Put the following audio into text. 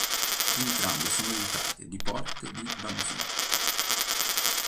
Entrambe sono dotate di porte di banchina.